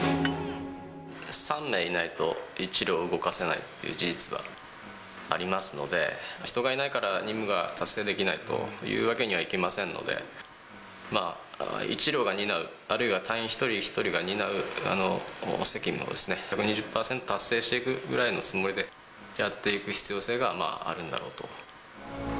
３名いないと１両を動かせないっていう事実はありますので、人がいないから任務が達成できないというわけにはいきませんので、１両が担う、あるいは隊員一人一人が担う責務を１２０％達成していくぐらいのつもりでやっていく必要性があるのだろうと。